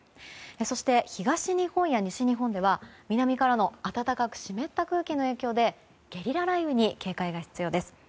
そして、東日本や西日本では南からの暖かく湿った空気の影響でゲリラ雷雨に警戒が必要です。